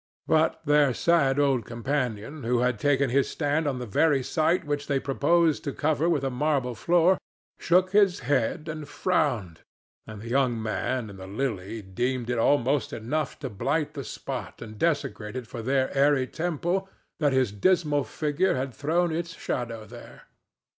But their sad old companion, who had taken his stand on the very site which they proposed to cover with a marble floor, shook his head and frowned, and the young man and the Lily deemed it almost enough to blight the spot and desecrate it for their airy temple that his dismal figure had thrown its shadow there.